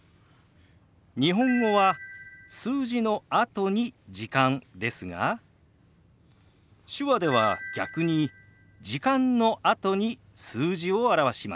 日本語は数字のあとに「時間」ですが手話では逆に「時間」のあとに数字を表します。